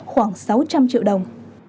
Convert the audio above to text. khoảng sáu trăm linh triệu đồng